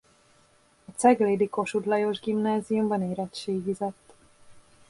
A ceglédi Kossuth Lajos Gimnáziumban érettségizett.